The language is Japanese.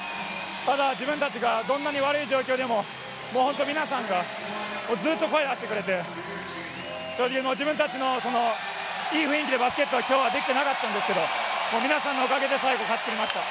ただ、自分たちがどんなに悪い状況でも本当に皆さんがずっと声を出してくれて自分たちの、いい雰囲気でバスケットが今日はできてなかったんですけど皆さんのおかげで最後勝ち切りました。